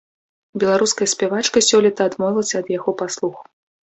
Беларуская спявачка сёлета адмовілася ад яго паслуг.